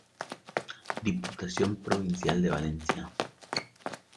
Diputación Provincial de Valencia.